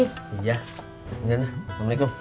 iya ini aja assalamualaikum